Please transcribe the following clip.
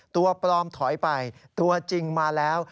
ตัวปลอมถอยไปตัวจริงมาแล้ว